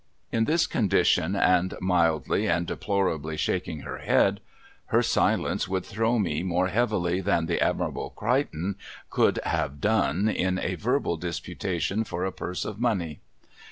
In this condition, and mildly and deplorably shaking her head, her silence would throw me more heavily than the Admirable Crichton could have done in a verbal disputation for a purse of money.